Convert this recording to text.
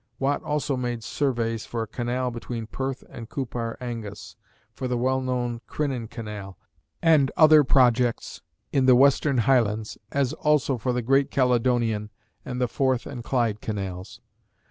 Watt also made surveys for a canal between Perth and Coupar Angus, for the well known Crinan Canal and other projects in the Western Highlands, as also for the great Caledonian and the Forth and Clyde Canals.